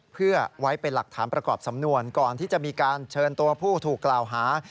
เพื่อไว้เป็นหลักฐานประกอบสำนวนก่อนที่จะมีการเชิญตัวผู้ถูกกล่าวหา